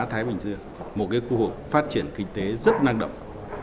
thái bình dương một khu vực phát triển kinh tế rất năng động